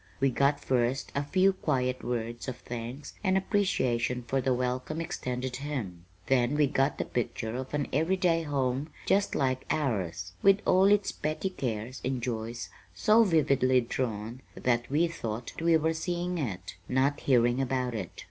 We got first a few quiet words of thanks and appreciation for the welcome extended him; then we got the picture of an everyday home just like ours, with all its petty cares and joys so vividly drawn that we thought we were seeing it, not hearing about it.